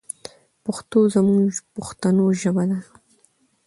پښتو زموږ پښتنو ژبه ده.